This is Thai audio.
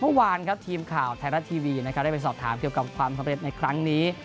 เมื่อวานครับทีมข่าวไทยรัฐทีวีนะครับได้ไปสอบถามเกี่ยวกับความสำเร็จในครั้งนี้